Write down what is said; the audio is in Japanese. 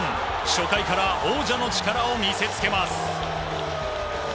初回から王者の力を見せつけます。